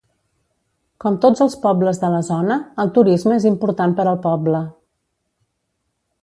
Com tots els pobles de la zona, el turisme és important per al poble.